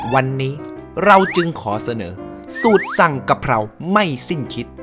วันนี้เราจึงขอเสนอสูตรสั่งกะเพราไม่สิ้นคิด